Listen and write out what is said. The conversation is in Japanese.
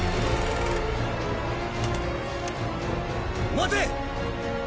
待て！！